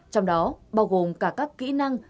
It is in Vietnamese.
trong đó bao gồm cả các kỹ năng